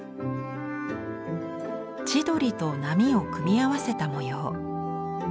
千鳥と波を組み合わせた模様。